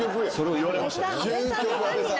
言われましたね。